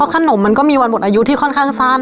ขนมมันก็มีวันหมดอายุที่ค่อนข้างสั้น